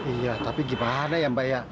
iya tapi gimana ya mbak ya